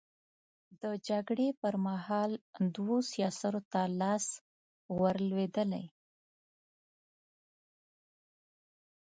د جګړې پر مهال دوو سياسرو ته لاس ور لوېدلی.